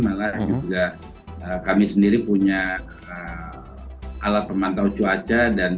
malah juga kami sendiri punya alat pemantau cuaca